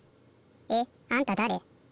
えっあんただれ？